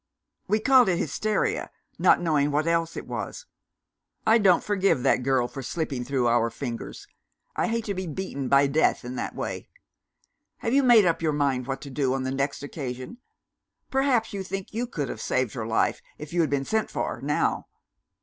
"We called it hysteria, not knowing what else it was. I don't forgive the girl for slipping through our fingers; I hate to be beaten by Death, in that way. Have you made up your mind what to do, on the next occasion? Perhaps you think you could have saved her life if you had been sent for, now?"